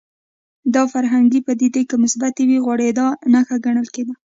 دا فرهنګي پدیدې که مثبتې وي غوړېدا نښه ګڼل کېږي